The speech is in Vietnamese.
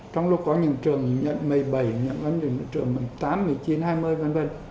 trong lúc có những trường một mươi bảy những trường tám một mươi chín hai mươi v v